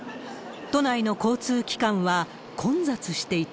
都内の交通機関は、混雑していた。